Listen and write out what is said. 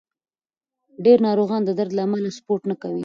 ډېر ناروغان د درد له امله سپورت نه کوي.